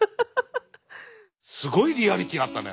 すごいリアリティーあったね。